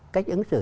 cách ứng xử